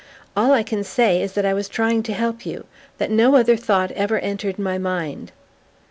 All I can say is that I was trying to help you: that no other thought ever entered my mind."